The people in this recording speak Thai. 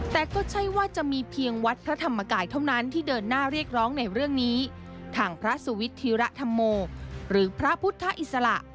แต่ก็ใช่ว่าจะมีเพียงวัดพระธรรมกายเท่านั้นที่เดินหน้าเรียกร้องในเรื่องนี้ทางพระสุวิทธิระธรรโมหรือพระพุทธอิสระ